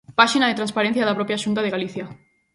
Páxina de transparencia da propia Xunta de Galicia.